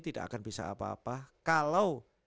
tidak akan bisa apa apa kalau